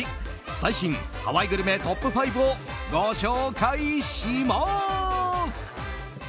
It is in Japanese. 最新ハワイグルメトップ５をご紹介します。